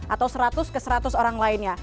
atau seratus ke seratus orang lainnya